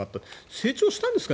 成長したんですか？